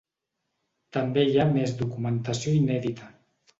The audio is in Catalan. També hi ha més documentació inèdita.